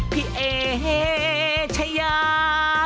พี่เอเชยา